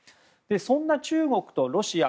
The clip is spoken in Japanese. そんな中国とロシア